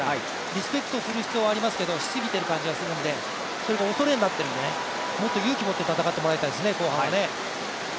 リスペクトする必要はありますけどしすぎている感じがするんで、それも恐れになっているので、もっと勇気を持って戦ってもらいたいですね、後半は。